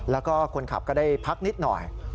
แล้วก็คนขับก็ได้พักนิดหน่อย